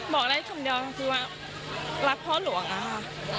บอกได้คำเดียวคือว่ารักพ่อหลวงอะค่ะ